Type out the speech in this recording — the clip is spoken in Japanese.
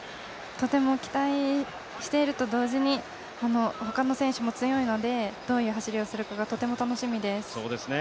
とても期待していると同時にほかの選手も強いのでどういう走りをするかがとても楽しみです。